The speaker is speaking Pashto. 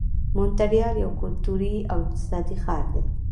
مونټریال یو کلتوري او اقتصادي ښار دی.